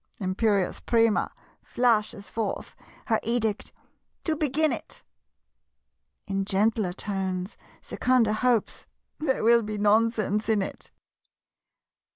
Imperious Prima flashes forth Her edict ``to begin it'': In gentler tones Secunda hopes ``There will be nonsense in it!''